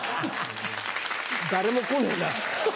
誰も来ねえな。